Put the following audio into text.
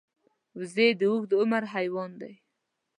وزې د اوږد عمر حیوان دی